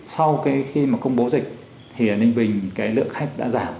sau khi mà công bố dịch thì ở ninh bình cái lượng khách đã giảm